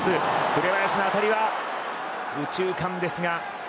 紅林の当たりは右中間ですが。